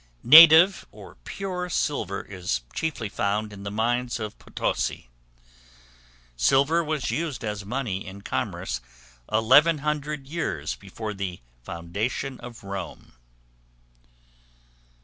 Native, or pure silver is chiefly found in the mines of Potosi. Silver was used as money in commerce 1100 years before the foundation of Rome.